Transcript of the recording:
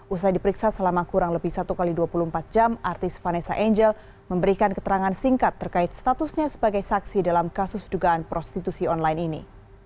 usai diperiksa selama kurang lebih satu x dua puluh empat jam artis vanessa angel memberikan keterangan singkat terkait statusnya sebagai saksi dalam kasus dugaan prostitusi online ini